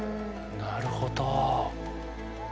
なるほど。